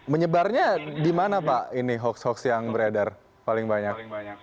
menyebarnya di mana pak ini hoax hoax yang beredar paling banyak